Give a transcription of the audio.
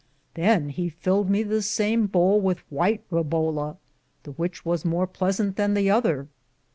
Than he filled me the same boule with whyte Rebola, the which was more pleasante than the other.